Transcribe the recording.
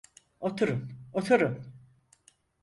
Oturun, oturun.